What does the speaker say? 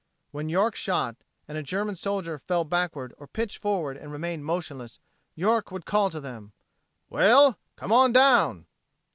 When York shot, and a German soldier fell backward or pitched forward and remained motionless, York would call to them: "Well! Come on down!"